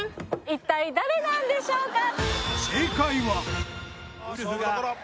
一体誰なんでしょうか？